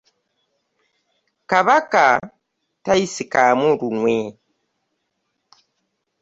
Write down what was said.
Kabaka tayisikaamu lunwe.